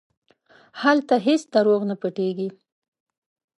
هلته هېڅ دروغ نه پټېږي.